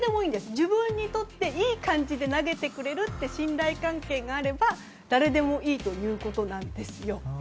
自分にとっていい感じに投げてくれると信頼関係があれば誰でもいいということなんです。